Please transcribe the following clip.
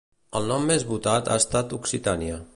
El nom més votat ha estat Occitània.